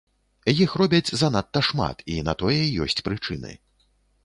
Іх робяць занадта шмат, і на тое ёсць прычыны.